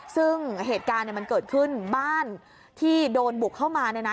ซึ่งเหตุการณ์มันเกิดขึ้นบ้านที่โดนบุกเข้ามานะ